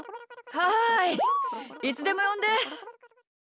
はいいつでもよんで。